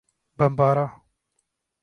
Bambara